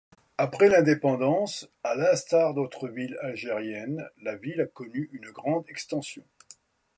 Après l'indépendance, à l’instar d’autres villes algériennes, la ville a connu une grande extension.